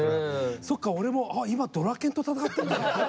そっか俺も今ドラケンと戦ってんだ。